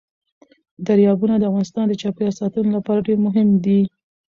دریابونه د افغانستان د چاپیریال ساتنې لپاره مهم دي.